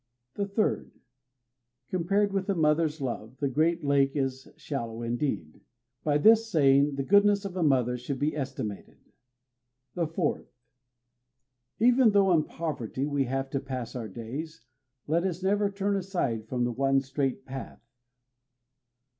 The third: [Compared with a mother's love] the great lake is shallow indeed! [By this saying] the goodness of a mother should be estimated. The fourth: Even though in poverty we have to pass our days, Let us never turn aside from the one straight path.